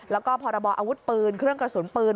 แล้วก็พรบออาวุธปืนเครื่องกระสุนปืน